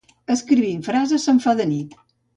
Escrivint frases se'm fa de nit